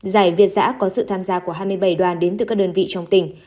giải việt giã có sự tham gia của hai mươi bảy đoàn đến từ các đơn vị trong tỉnh